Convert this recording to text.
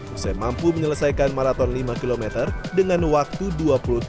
usai mampu menyelesaikan maraton lima km dengan waktu dua puluh tiga